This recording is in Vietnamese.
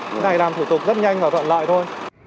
cái này làm thủ tục rất nhanh và gọn lại thôi